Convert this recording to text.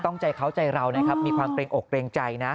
ใจเขาใจเรานะครับมีความเกรงอกเกรงใจนะ